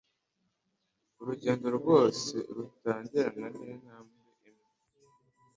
Urugendo rwose rutangirana nintambwe imwe.